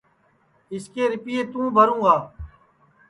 اِس کے رِیپئے توں بھروں گا